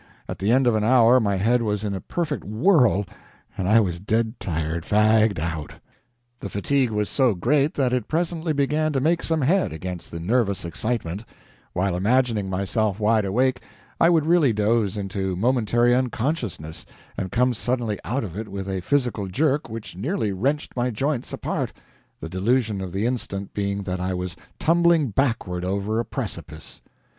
At the end of an hour my head was in a perfect whirl and I was dead tired, fagged out. The fatigue was so great that it presently began to make some head against the nervous excitement; while imagining myself wide awake, I would really doze into momentary unconsciousness, and come suddenly out of it with a physical jerk which nearly wrenched my joints apart the delusion of the instant being that I was tumbling backward over a precipice.